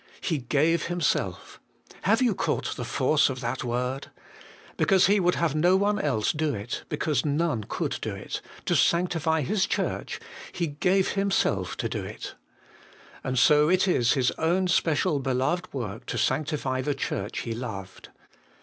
He gave Himself ! Have you caught the force of that word ? Because He would have no one else do it, because none could do it ; to sanctify His Church, He gave Himself to do it. And so it is His own special beloved work to sanctify the Church He loved.